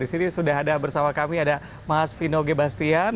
di sini sudah ada bersama kami ada mas vino gebastian